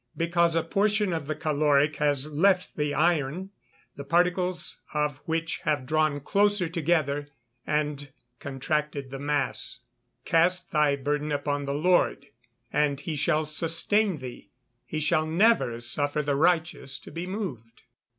_ Because a portion of the caloric has left the iron, the particles of which have drawn closer together, and contracted the mass. [Verse: "Cast thy burden upon the Lord, and he shall sustain thee; he shall never suffer the righteous to be moved."